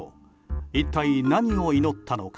一体、何を祈ったのか。